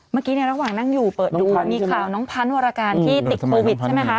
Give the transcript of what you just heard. เมื่อกี้ในระหว่างนั่งอยู่เปิดดูมีข่าวน้องพันธ์วรการที่ติดโควิดใช่ไหมคะ